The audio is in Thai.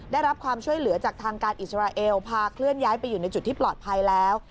ได้รับความช่วยเหลือจากทางการอิสราเอลพาเคลื่อนย้ายไปอยู่ในจุดที่ปลอดภัยแล้ว